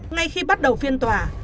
ngay khi bắt đầu phiên tòa